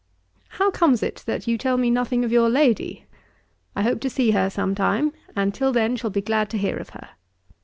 'How comes it that you tell me nothing of your lady? I hope to see her some time, and till then shall be glad to hear of her.